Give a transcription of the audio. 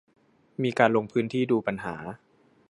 มีการลงพื้นที่ดูปัญหา